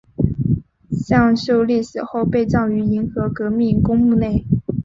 向秀丽死后被葬于银河革命公墓内。